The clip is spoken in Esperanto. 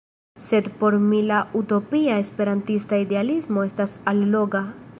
Sed por mi la utopia esperantista idealismo estas alloga.